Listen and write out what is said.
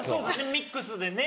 ミックスでね。